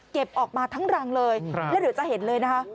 เก็บออกมาทั้งรังเลยแล้วเหลือจะเห็นเลยนะคะ